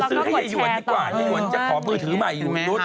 ก็ซื้อให้อ่ะยวนก่อนอย่างนี้นี่นี่จะขอเป็นผืนธือใหม่อยู่นี่นี่